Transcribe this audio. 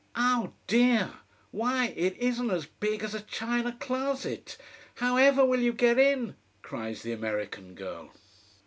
"Oh dear! Why it isn't as big as a china closet. However will you get in!" cries the American girl.